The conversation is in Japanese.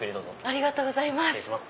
ありがとうございます。